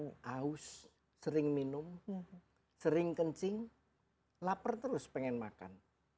yang haus sering minum sering kencing lapar terus pengen makan